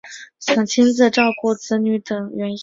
想亲自照顾子女等原因